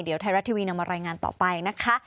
เดี๋ยวไทยรัฐทีวีนำมารายงานต่อไปนะคะ